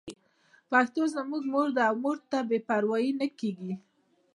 پښتو زموږ مور ده او مور ته بې پروايي نه کېږي.